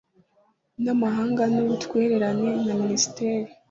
N amahanga n ubutwererane na minisitiri